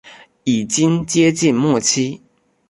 已经接近末期